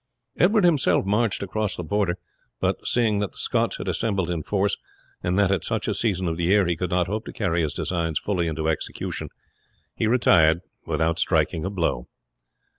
Edward himself marched across the Border; but seeing that the Scots had assembled in force, and that at such a season of the year he could not hope to carry his designs fully into execution, he retired without striking a blow.